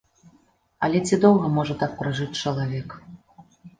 Але ці доўга можа так пражыць чалавек?